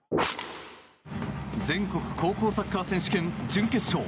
全国高校サッカー選手権準決勝。